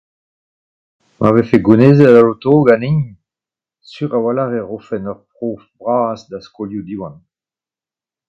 Ma vefe gounezet al Loto ganin, sur a-walc'h e rofen ur prof bras d'ar skolioù Diwan.